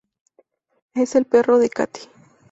Es el perro de Katy.